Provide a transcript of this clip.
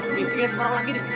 nih tinggal separuh lagi deh